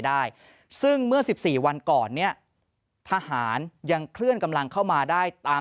ได้ซึ่งเมื่อ๑๔วันก่อนเนี่ยทหารยังเคลื่อนกำลังเข้ามาได้ตาม